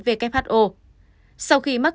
who sau khi mắc